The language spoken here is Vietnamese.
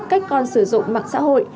cách con sử dụng mạng xã hội